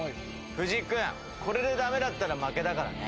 藤井君これでダメだったら負けだからね。